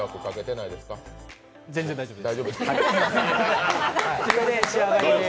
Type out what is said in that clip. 全然大丈夫です。